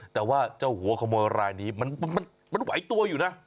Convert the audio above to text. แต่ว่าเจ้าหัวขโมยรายนี้มันไหวตัวอยู่นะ